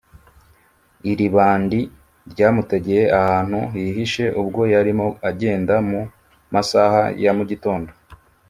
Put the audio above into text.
Iri bandi ryamutegeye ahantu hihishe ubwo yarimo agenda mu masaha ya mu gitondo